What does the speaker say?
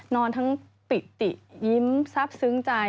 นอนทั้งปิติยิ้มซับซึ้งใจ